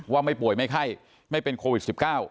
ไม่ป่วยไม่ไข้ไม่เป็นโควิด๑๙